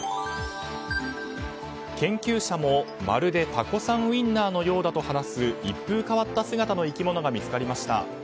研究者もまるでタコさんウインナーのようだと話す一風変わった姿の生き物が見つかりました。